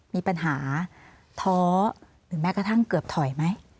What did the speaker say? มีปัญหาท้อหรือแม้กระทั่งเกือบถอยไหม